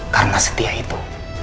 karena setia itu